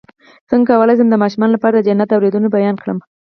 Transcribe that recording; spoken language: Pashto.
څنګه کولی شم د ماشومانو لپاره د جنت د اوریدلو بیان کړم